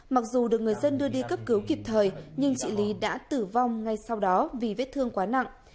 mặc dù được người dân đưa đi cấp cứu kịp thời nhưng chị lý đã tử vong ngay sau đó vì vết thương quá nặng